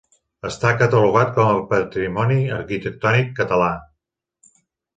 Està catalogat com a patrimoni arquitectònic català.